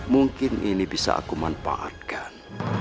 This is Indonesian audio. mungkin ini bisa aku manfaatkan